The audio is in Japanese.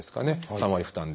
３割負担で。